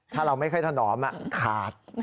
ถ้าเราไม่ค่อยถนอมขาด